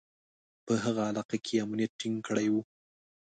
په هغه علاقه کې یې امنیت ټینګ کړی و.